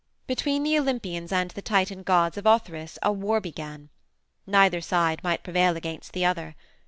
Between the Olympians and the Titan gods of Othrys a war began. Neither side might prevail against the other.